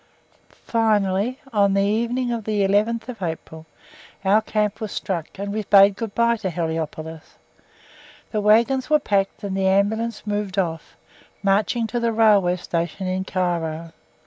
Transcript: Finally, on the evening of the 11th April, our camp was struck, and; we bade good bye to Heliopolis. The waggons were packed and the Ambulance moved off, marching to the Railway Station in Cairo.